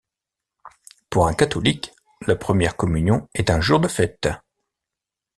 Pour un catholique, la première communion est un jour de fête.